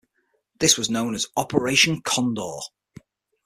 This was known as Operation Condor.